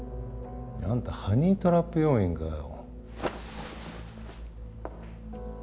あんたハニートラップ要員かよ。